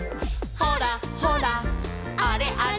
「ほらほらあれあれ」